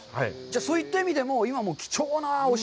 そういった意味でも、今も貴重なお塩。